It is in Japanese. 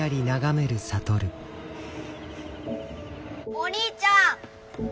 お兄ちゃん。